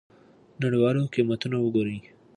نړیوال قیمتونه وګورئ.